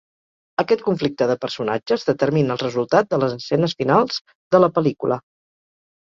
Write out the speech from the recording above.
Aquest conflicte de personatges determina el resultat de les escenes finals de la pel·lícula.